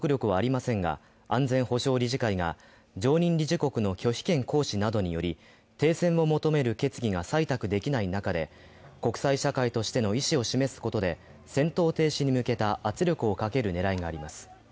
常任理事国の拒否権行使などにより停戦を求める決議が採択できない中で国際社会としての意思を示すことで戦闘停止に向けた圧力をかける狙いがあります。